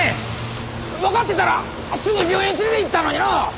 わかってたらすぐ病院連れて行ったのになあ。